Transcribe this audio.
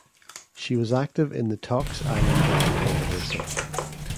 She was active in the Tocks Island Dam controversy.